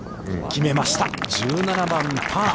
決めました、１７番パー。